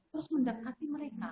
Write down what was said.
terus mendatangi mereka